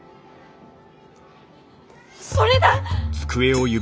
それだ！